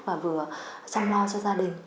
và vừa chăm lo cho gia đình